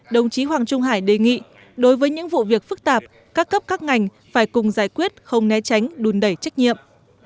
đồng chí hoàng trung hải đề nghị đối với những vụ việc phức tạp các cấp các ngành phải cùng giải quyết không né tránh đùn đẩy trách nhiệm